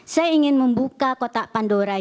saya ingin membuka kotak pandora